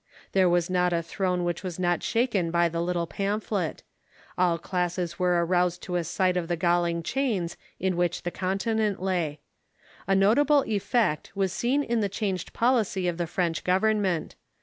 There was not a throne which was not shaken by the little pamphlet. All classes were aroused to a sight of the galling chains in which the Continent lay. A notable effect was seen in the changed policy of the French government.